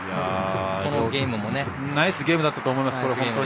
ナイスゲームだったと思います。